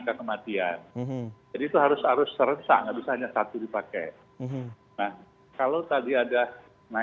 untuk indikator dalam penilaian seberatnya